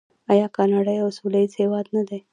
آیا کاناډا یو سوله ییز هیواد نه دی؟